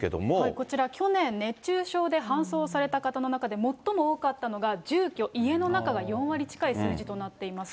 こちら、去年、熱中症で搬送された方の中で最も多かったのが住居、家の中が４割近い数字となっています。